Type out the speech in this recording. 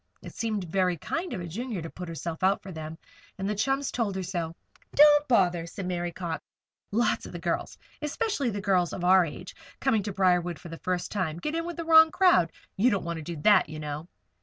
It seemed very kind of a Junior to put herself out for them, and the chums told her so. "Don't bother," said Mary Cox. "Lots of the girls especially girls of our age, coming to Briarwood for the first time get in with the wrong crowd. You don't want to do that, you know."